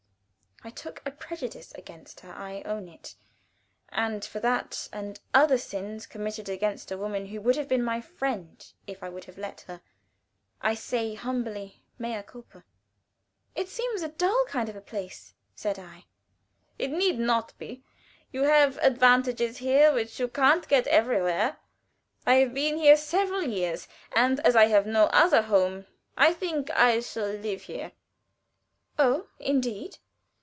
I took a prejudice against her I own it and for that and other sins committed against a woman who would have been my friend if I would have let her, I say humbly, Mea culpa! "It seems a dull kind of a place," said I. "It need not be. You have advantages here which you can't get everywhere. I have been here several years, and as I have no other home I rather think I shall live here." "Oh, indeed."